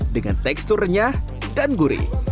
dengan tekstur renyah dan gurih